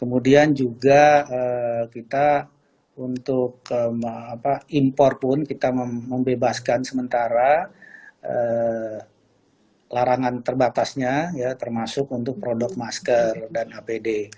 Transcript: kemudian juga kita untuk impor pun kita membebaskan sementara larangan terbatasnya ya termasuk untuk produk masker dan apd